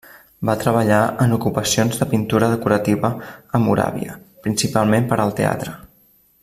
Va treballar en ocupacions de pintura decorativa a Moràvia, principalment per al teatre.